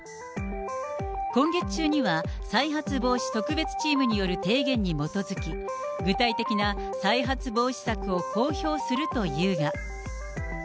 今月中には、再発防止特別チームによる提言に基づき、具体的な再発防止策を公表するというが。